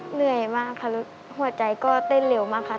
เหนื่อยมากค่ะหัวใจก็เต้นเร็วมากค่ะ